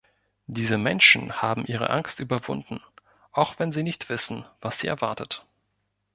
Diese Menschen haben ihre Angst überwunden, auch wenn sie nicht wissen, was sie erwartet.